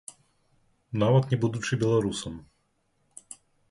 Нават не будучы беларусам.